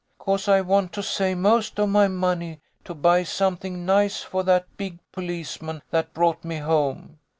'Cause I want to save most of my money to buy something nice for that big policeman that brought me home.